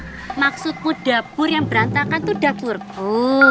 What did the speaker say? oh maksudmu dapur yang berantakan tuh dapurku